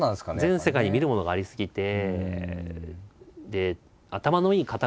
全世界に見るものがありすぎて。